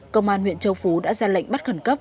công an huyện châu phú đã ra lệnh bắt khẩn cấp